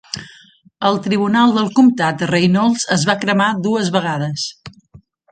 El tribunal del comtat Reynolds es va cremar dues vegades.